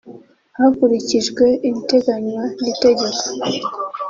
hakurikijwe ibiteganywa n’itegeko